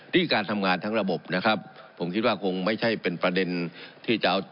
นี่การทำงานทั้งระบบนะครับผมคิดว่าคงไม่ใช่เป็นประเด็นที่จะเอา